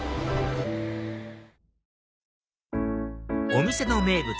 お店の名物